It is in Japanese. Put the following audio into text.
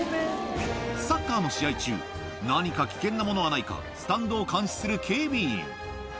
サッカーの試合中何か危険なものはないかスタンドを監視する警備員